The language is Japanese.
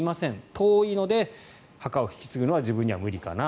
遠いので墓を引き継ぐのは自分には無理かな。